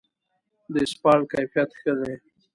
د اسفالټ کیفیت ښه دی؟